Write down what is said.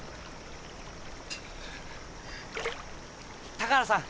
高原さん